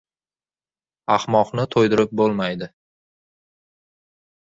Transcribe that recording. • Ahmoqni to‘ydirib bo‘lmaydi.